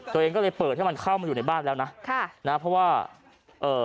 ตัวเองก็เลยเปิดให้มันเข้ามาอยู่ในบ้านแล้วนะค่ะนะเพราะว่าเอ่อ